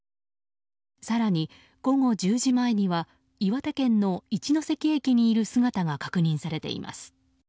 更に午後１０時前には岩手県の一ノ関駅にいる姿が確認されています。